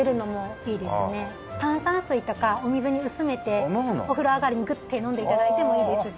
炭酸水とかお水に薄めてお風呂上がりにグッて飲んで頂いてもいいですし。